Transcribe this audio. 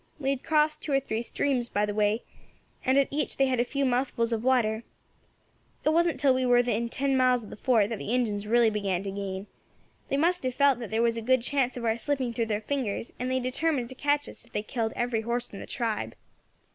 We had crossed two or three streams by the way, and at each they had had a few mouthfuls of water. It wasn't till we were within ten miles of the fort that the Injins really began to gain. They must have felt that there was a good chance of our slipping through their fingers, and they determined to catch us if they killed every horse in the tribe.